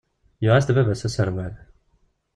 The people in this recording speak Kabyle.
Yuɣ-as-d baba-s aserwal.